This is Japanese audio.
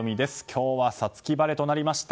今日は五月晴れとなりました。